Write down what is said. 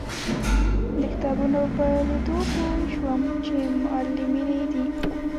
د کتابونو په لیدو پوی شوم چې معلمینې دي.